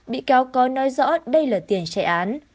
bị cáo có nói rõ đây là tiền chạy án